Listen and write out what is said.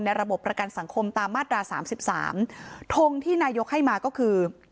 ในระบบประกันสังคมตามมาตรา๓๓ทงที่นายกให้มาก็คือ